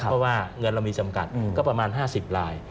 เพราะว่าเงินเรามีจำกัดก็ประมาณ๕๐ลาย